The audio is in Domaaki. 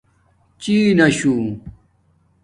چیناشُݸ